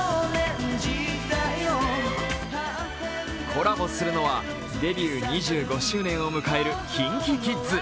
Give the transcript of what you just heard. コラボするのは、デビュー２５周年を迎えるＫｉｎＫｉＫｉｄｓ。